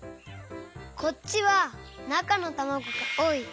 こっちはなかのたまごがおおい。